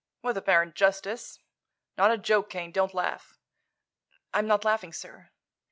With apparent justice. Not a joke, Kane. Don't laugh." "I'm not laughing, sir."